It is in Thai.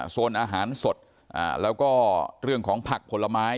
โซนอาหารสดแล้วก็เรื่องของผักผลไม้